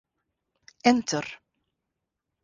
Enter.